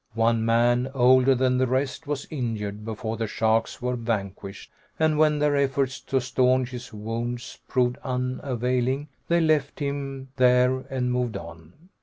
One man, older than the rest, was injured before the sharks were vanquished, and when their efforts to staunch his wounds proved unavailing, they left him there and moved on.